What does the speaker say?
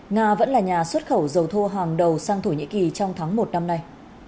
nga vẫn là nhà xuất khẩu dầu thô hàng đầu sang thổ nhĩ kỳ trong tháng một năm nay